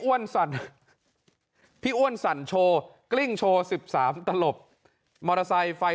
สั่นพี่อ้วนสั่นโชว์กลิ้งโชว์๑๓ตลบมอเตอร์ไซค์ไฟ